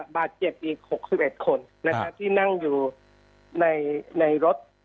บาดเจ็บอีก๖๑คนที่นั่งอยู่ในรถ